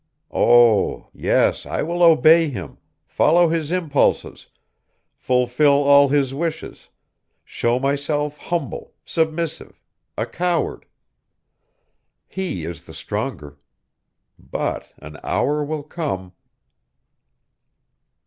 Oh! yes, I will obey him, follow his impulses, fulfill all his wishes, show myself humble, submissive, a coward. He is the stronger; but an hour will come....